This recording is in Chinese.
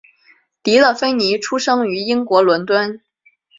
迪乐芬妮出生于英国伦敦。